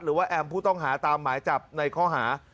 แอมผู้ต้องหาตามหมายจับในข้อหา